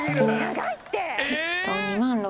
長いって。